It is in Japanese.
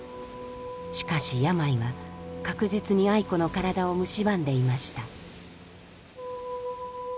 しかし病は確実に愛子の体をむしばんでいました。